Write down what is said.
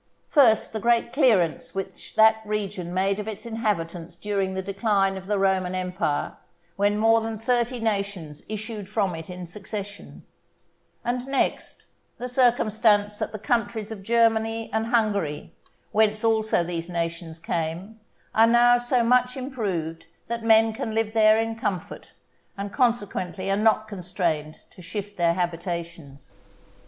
First, the great clearance which that region made of its inhabitants during the decline of the Roman Empire, when more than thirty nations issued from it in succession; and next, the circumstance that the countries of Germany and Hungary, whence also these nations came, are now so much improved that men can live there in comfort, and consequently are not constrained to shift their habitations.